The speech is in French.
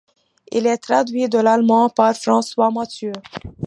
Il est traduit de l'allemand par François Mathieu.